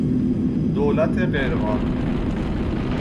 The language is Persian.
دولت غیرقانونی